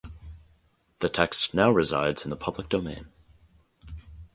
The text now resides in the public domain.